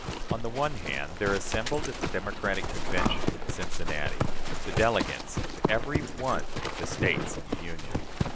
On the one hand, there assembled at the Democratic Convention, at Cincinnati, the delegates of every one of the States in the Union.